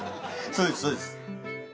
そうです